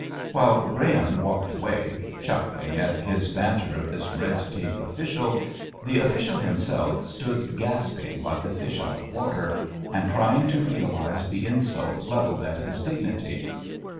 While Graham walked away chuckling at his banter of this red tape official, the official himself stood gasping like a fish out of the water, and trying to realise the insult levelled at his dignity.